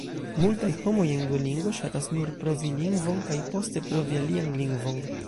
Multaj homoj en Duolingo ŝatas nur provi lingvon kaj poste provi alian lingvon.